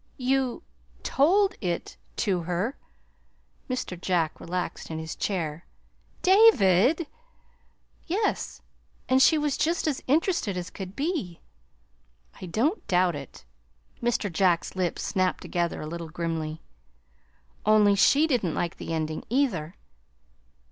"You told it to her!" Mr. Jack relaxed in his chair. "David!" "Yes. And she was just as interested as could be." "I don't doubt it!" Mr. Jack's lips snapped together a little grimly. "Only she didn't like the ending, either."